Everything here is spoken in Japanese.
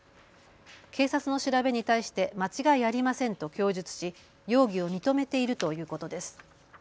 警察の調べに対して間違いありませんと供述し容疑を認めているということです。